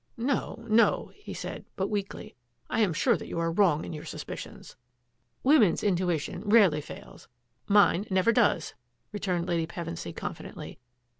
" No, no," he said, but weakly, " I am sure that you are wrong in your suspicions." " Woman's intuition rarely fails — mine never does," returned Lady Pevensy confidently.